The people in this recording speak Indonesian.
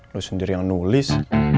lo sendiri yang nulis